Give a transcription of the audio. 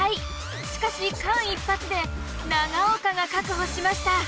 しかし間一髪で長岡が確保しました。